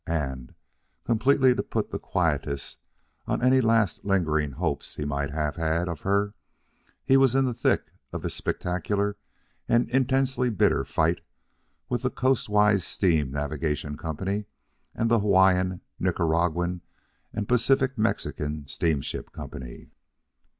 And, completely to put the quietus on any last lingering hopes he might have had of her, he was in the thick of his spectacular and intensely bitter fight with the Coastwise Steam Navigation Company, and the Hawaiian, Nicaraguan, and Pacific Mexican Steamship Company.